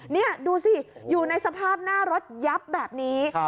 นี่ดูสิอยู่ในสภาพหน้ารถยับแบบนี้